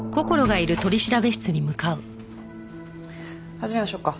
始めましょうか。